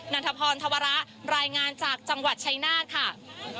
ันทพรธวระรายงานจากจังหวัดชัยนาธค่ะ